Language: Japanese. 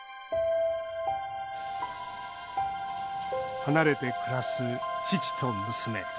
離れて暮らす父と娘。